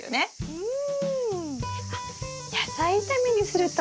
うん。